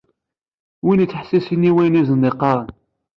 Win i yettḥessisen i wayen i asen-d-qqaren.